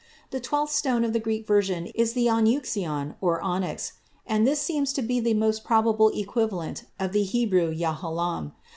The twelfth stone of the Greek version is the ὀνύχιον or "onyx," and this seems to be the most probable equivalent of the Hebrew yahalom.